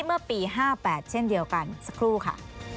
เมื่อปี๕๘เช่นเดียวกันสักครู่ค่ะ